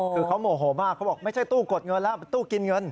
คือเขาโมโหมากเขาบอกไม่ใช่ตู้กดเงินแล้วเป็นตู้กินเงิน